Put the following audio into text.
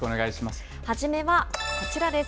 初めはこちらです。